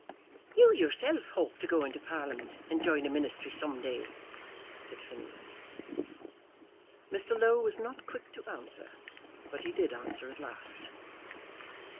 "You yourself hope to go into Parliament and join a ministry some day," said Phineas. Mr. Low was not quick to answer, but he did answer at last.